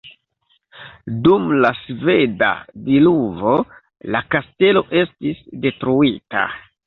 Dum la sveda diluvo la kastelo estis detruita.